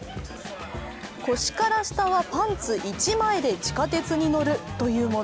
腰から下はパンツ１枚で地下鉄に乗るというもの。